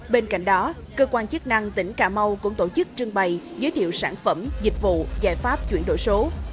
bên cạnh đó cơ quan chức năng tỉnh cà mau cũng tổ chức trưng bày giới thiệu sản phẩm dịch vụ giải pháp chuyển đổi số